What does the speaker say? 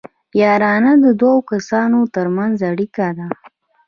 یارانه د دوو کسانو ترمنځ اړیکه ده